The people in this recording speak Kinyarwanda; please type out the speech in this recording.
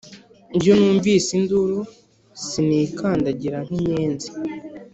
iyo numvise induru sinikandagira nk' inkenzi.